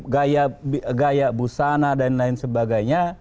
gaya busana dan lain sebagainya